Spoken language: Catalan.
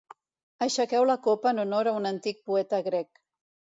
Aixequeu la copa en honor a un antic poeta grec.